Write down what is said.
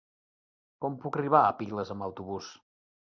Com puc arribar a Piles amb autobús?